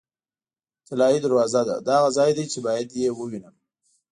طلایي دروازه ده، دا هغه ځای دی چې باید یې ووینم.